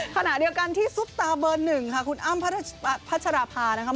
ขณะเดียวกันที่ซุปตาเบอร์หนึ่งค่ะคุณอ้ำพัชราภานะครับ